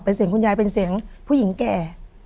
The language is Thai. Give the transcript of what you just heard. เป็นเสียงคุณยายเป็นเสียงผู้หญิงแก่